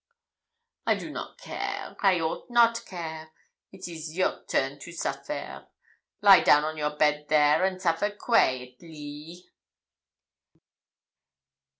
I do not care I ought not care. It is your turn to suffer. Lie down on your bed there, and suffer quaitely.'